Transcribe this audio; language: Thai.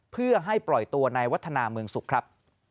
เพื่อให้ปล่อยตัวในวัฒนาเมืองสุขครับ